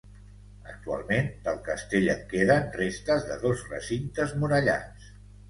Actualment, del castell en queden restes de dos recintes murallats.